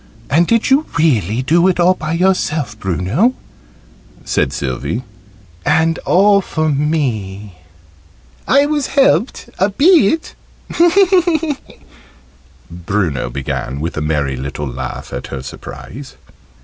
"And did you really do it all by yourself, Bruno?" said Sylvie. "And all for me?" "I was helped a bit," Bruno began, with a merry little laugh at her surprise.